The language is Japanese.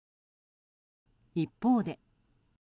一方で。